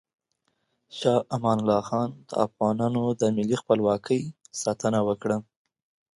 شاه امان الله خان د افغانانو د ملي خپلواکۍ ساتنه وکړه.